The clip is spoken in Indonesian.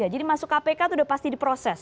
jadi masuk kpk itu sudah pasti diproses